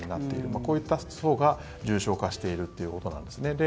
こういった層が重症化しているということです。